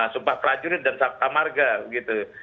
sumpah prajurit dan sapa tamarga gitu